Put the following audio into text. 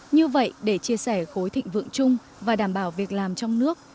như vậy để chia sẻ khối thịnh vượng chung và đảm bảo việc làm trong nước